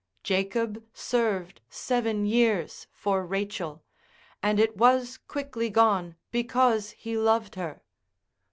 Jacob served seven years for Rachel, and it was quickly gone because he loved her.